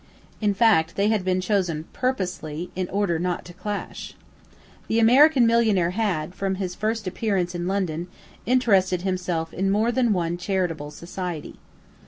In fact, they had been chosen purposely in order not to clash. The American millionaire had, from his first appearance in London, interested himself in more than one charitable society.